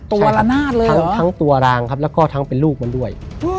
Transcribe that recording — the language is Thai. ตัวละนาดเลยเหรอใช่ครับทั้งตัวรางครับแล้วก็ทั้งเป็นลูกมันด้วย